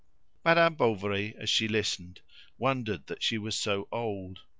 Madame Bovary, as she listened to him, wondered that she was so old.